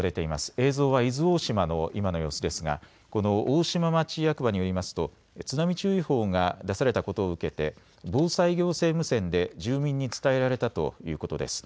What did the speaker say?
映像は伊豆大島の今の様子ですがこの大島町役場によりますと津波注意報が出されたことを受けて防災行政無線で住民に伝えられたということです。